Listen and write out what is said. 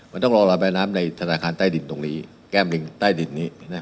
มันต้องรอระบายน้ำในธนาคารใต้ดินตรงนี้แก้มหนึ่งใต้ดินนี้